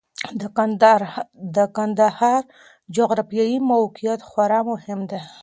د کندهار جغرافیايي موقعیت خورا مهم دی.